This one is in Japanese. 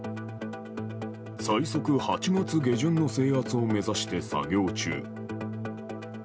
最速８月下旬の制圧を目指して作業中。